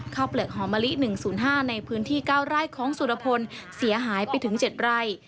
เปลือกหอมะลิ๑๐๕ในพื้นที่๙ไร่ของสุรพลเสียหายไปถึง๗ไร่